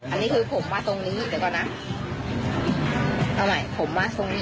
อันนี้คือผมมาตรงนี้เดี๋ยวก่อนนะเอาใหม่ผมมาตรงนี้